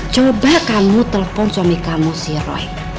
coba kamu telpon suami kamu si roy